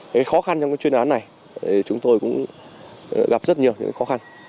cái khó khăn trong chuyên án này chúng tôi cũng gặp rất nhiều những khó khăn